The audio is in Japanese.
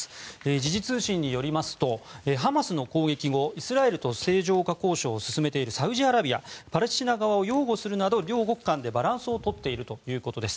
時事通信によりますとハマスの攻撃後、イスラエルと正常化交渉を進めているサウジアラビアパレスチナ側を擁護するなど両国間でバランスを取っているということです。